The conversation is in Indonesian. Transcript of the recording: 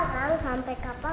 pak kan sampai kapan